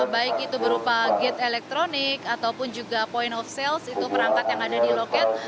baik itu berupa gate elektronik ataupun juga point of sales itu perangkat yang ada di loket